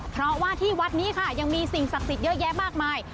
เพราะว่าที่วัดนี้ค่ะยังมีสิ่งศักดิ์สิทธิ์เยอะแยะมากมาย